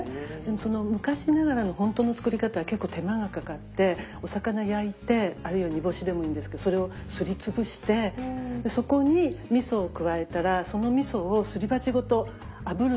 その昔ながらの本当の作り方は結構手間がかかってお魚焼いてあるいは煮干しでもいいんですけどそれをすり潰してそこにみそを加えたらそのみそをすり鉢ごとあぶるんですよ香ばしく。